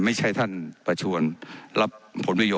ไม่ได้เป็นประธานคณะกรุงตรี